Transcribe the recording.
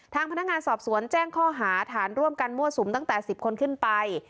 ทางพนักงานสอบสวนแจ้งข้อหาฐานร่วมกันมั่วสุมตั้งแต่๑๐คนขึ้นไป